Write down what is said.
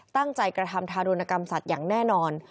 ตั้งใจกระทำทาโดนกรรมสัตว์อย่างแน่นอน